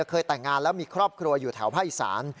เคยแต่งงานแล้วมีครอบครัวอยู่แถวภาคอีสาน